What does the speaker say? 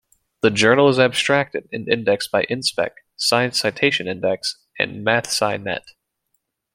The journal is abstracted and indexed by Inspec, Science Citation Index, and MathSciNet.